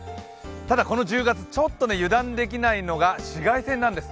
ただこの１０月、ちょっと油断できないのが紫外線なんです。